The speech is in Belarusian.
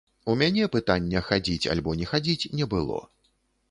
У мяне пытання хадзіць альбо не хадзіць, не было.